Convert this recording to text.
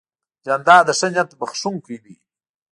جانداد د ښه نیت بښونکی دی.